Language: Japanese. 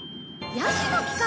ヤシの木か！